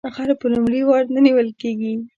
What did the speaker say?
غل په لومړي وار نه نیول کیږي